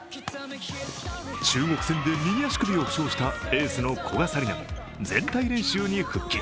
中国戦で右足首を負傷したエースの古賀紗理那も全体練習に復帰。